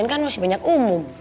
kan masih banyak umum